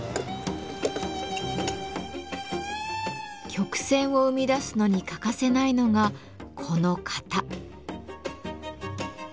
曲線を生み出すのに欠かせないのがこの型。